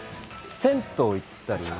銭湯に行ったり。